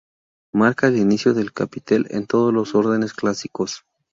Marca el inicio del capitel en todos los órdenes clásicos.